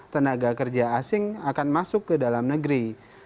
tenaga kerja asing akan masuk ke dalam negeri